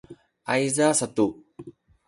ayza satu